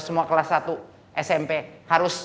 semua kelas satu smp harus